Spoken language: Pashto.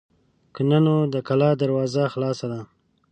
که نه نو د کلا دروازه خلاصه ده.